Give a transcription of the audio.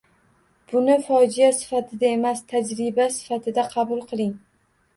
Buni fojea sifatida emas, tajriba sifatida qabul qiling.